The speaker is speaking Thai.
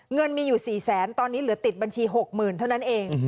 เงินมีอยู่๔แสนตอนนี้เหลือติดบัญชี๖๐๐๐เท่านั้นเอง